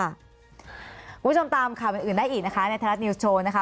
คุณผู้ชมตามข่าวอื่นได้อีกนะคะในไทยรัฐนิวส์โชว์นะคะ